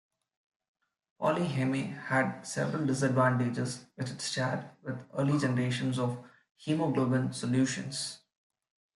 PolyHeme had several disadvantages which it shared with early generations of haemoglobin solutions.